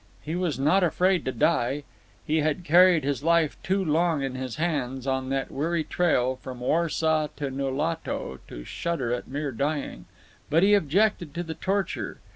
He was not afraid to die. He had carried his life too long in his hands, on that weary trail from Warsaw to Nulato, to shudder at mere dying. But he objected to the torture.